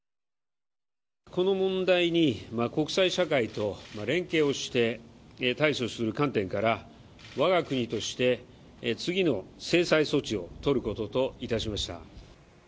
この問題に、国際社会と連携をして、対処する観点から、わが国として、次の制裁措置を取ることといたしました。